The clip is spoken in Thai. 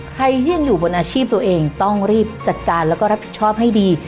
ใครที่ยังอยู่บนอาชีพตัวเองต้องรีบจัดการแล้วก็รับผิดชอบให้ดี